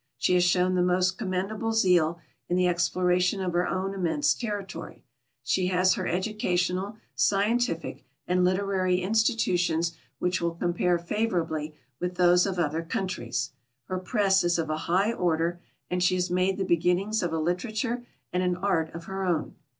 She has shown the most commendable zeal in the exploration of her own immense territory. She has her educational, scien tific, and literary institutions which will compare favorably with those of other countries ; her press is of a high order, and she has made the beginnings of a literature and an art of her own.